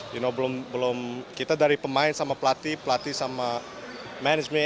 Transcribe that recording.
juga belum kita dari pemain sama pelatih pelatih sama management